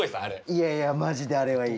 いやいやマジであれはいい。